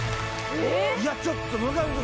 いやちょっと村上君